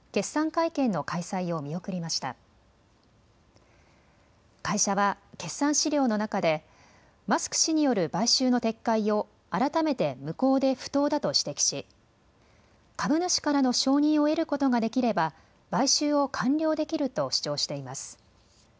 会社は決算資料の中でマスク氏による買収の撤回を改めて無効で不当だと指摘し株主からの承認を得ることができれば買収を完了できると主張しています。